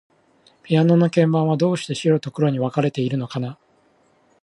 ピアノの鍵盤は、どうして白と黒に分かれているのかな。